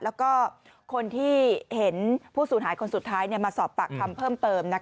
แล้วก็คนที่เห็นผู้สูญหายคนสุดท้ายมาสอบปากคำเพิ่มเติม